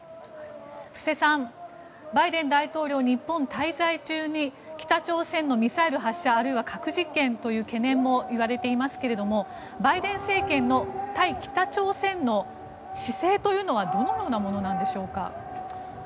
布施さん、バイデン大統領日本滞在中に北朝鮮のミサイル発射あるいは核実験という懸念もいわれていますけれどもバイデン政権の対北朝鮮の姿勢というのはどのようなものなんでしょうか？